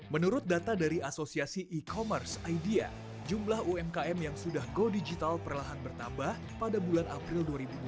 menurut data dari asosiasi e commerce idea jumlah umkm yang sudah go digital perlahan bertambah pada bulan april dua ribu dua puluh